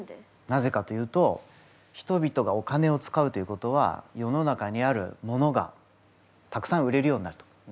なぜかというと人々がお金を使うということは世の中にあるものがたくさん売れるようになると。